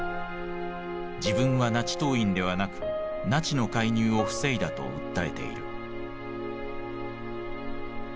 自分はナチ党員ではなくナチの介入を防いだと訴えている。